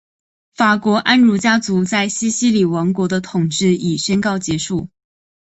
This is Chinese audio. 法国安茹家族在西西里王国的统治已宣告结束。